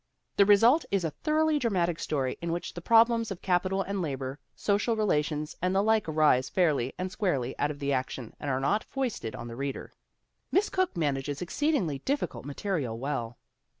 The result is a thoroughly dramatic story in which the problems of capital and labor, social rela tions and the like arise fairly and squarely out of the action and are not foisted on the reader. Miss Cooke manages exceedingly difficult material well.